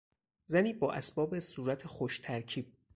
زنی با اسباب صورت خوشترکیب